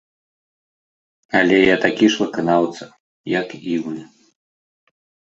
Але я такі ж выканаўца, як і вы.